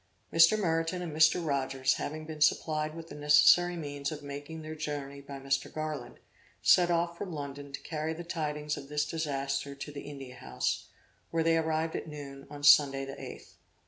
Mr. Meriton and Mr. Rogers having been supplied with the necessary means of making their journey by Mr. Garland, set off for London to carry the tidings of this disaster to the India House, where they arrived at noon, on Sunday the 8th.